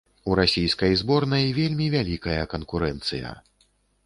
У расійскай зборнай вельмі вялікая канкурэнцыя.